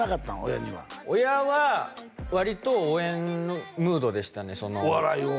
親には親は割と応援ムードでしたねお笑いを？